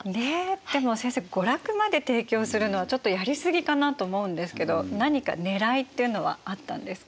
でも先生娯楽まで提供するのはちょっとやりすぎかなと思うんですけど何かねらいっていうのはあったんですか？